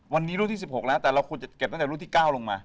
วันนี้รุ่นที่๑๖แล้วแต่เราควรจะเก็บตั้งแต่รุ่นที่๙ลงมา